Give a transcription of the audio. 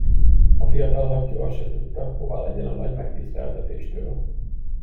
A fiatal hattyú azt se tudta, hová legyen a nagy megtiszteltetéstől.